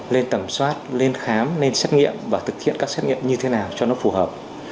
lên tầm soát lên khám lên xét nghiệm và thực hiện các xét nghiệm như thế nào cho nó phù hợp